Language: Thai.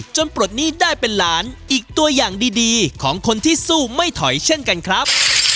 ปลดหนี้ได้เป็นล้านอีกตัวอย่างดีของคนที่สู้ไม่ถอยเช่นกันครับ